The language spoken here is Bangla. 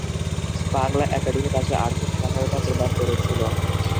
বাংলা একাডেমি তাকে আর্থিক সহায়তা প্রদান করেছিল।